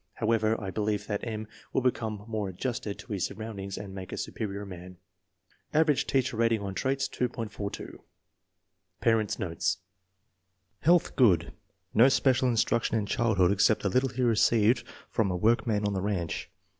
"However, I believe that M. will become more adjusted to his surroundings and make a superior man." Average teacher rating on traits, 2.42. Parents' notes. Health good. No special instruc tion in childhood except the little he received from a workman on the ranch.